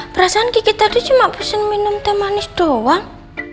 perasaan gigit tadi cuma pesen minum teh manis doang